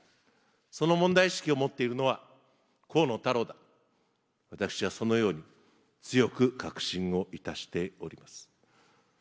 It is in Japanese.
その問題意識を持っているのは、河野太郎だと、私はそのように強く確信をいたしております。